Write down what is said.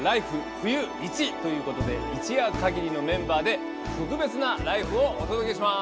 冬．１」ということで一夜限りのメンバーで特別な「ＬＩＦＥ！」をお届けします！